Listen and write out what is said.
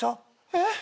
えっ？